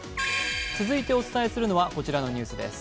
続いてお伝えするのは、こちらのニュースです。